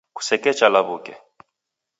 Kusekecha lawuke